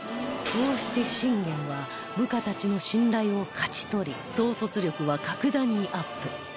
こうして信玄は部下たちの信頼を勝ち取り統率力は格段にアップ